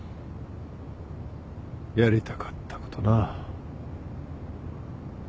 やりたかったことな。